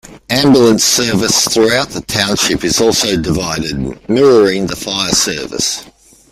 Ambulance service throughout the Township is also divided, mirroring the fire service.